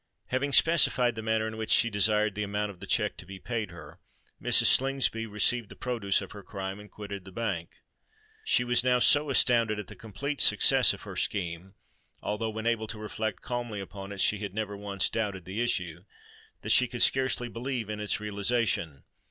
Having specified the manner in which she desired the amount of the cheque to be paid her, Mrs. Slingsby received the produce of her crime, and quitted the bank. She was now so astounded at the complete success of her scheme,—although, when able to reflect calmly upon it, she had never once doubted the issue,—that she could scarcely believe in its realization.